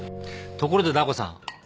ところでダー子さん